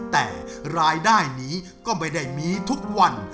แต่รายได้นี้ก็ไม่ได้มีทุกวัน